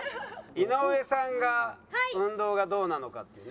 井上さんが運動がどうなのかっていうね。